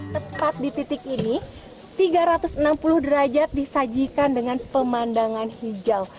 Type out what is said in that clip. tepat di titik ini tiga ratus enam puluh derajat disajikan dengan pemandangan hijau